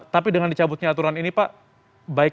tapi dengan dicabutnya aturan ini pak baik dan baik